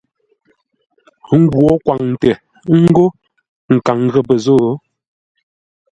Ngwǒ kwaŋtə ńgó nkaŋ ghəpə́ zô.